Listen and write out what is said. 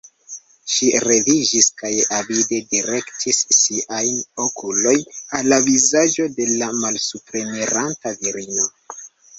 Ŝi leviĝis kaj avide direktis siajn okulojn al la vizaĝo de la malsupreniranta virino.